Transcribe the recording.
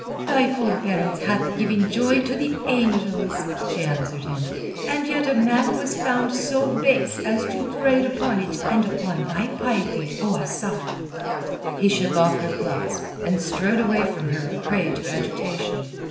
"Thy forbearance hath given joy to the angels," she answered him, "and yet a man was found so base as to trade upon it and upon thy piety, O Asad!" He shook off her clasp, and strode away from her a prey to agitation.